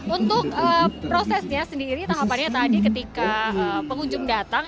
untuk prosesnya sendiri tahapannya tadi ketika pengunjung datang